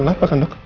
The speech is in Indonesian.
kenapa kan dok